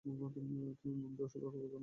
তুমি মন্দ বা অশুভ অপেক্ষা অনেক বড়।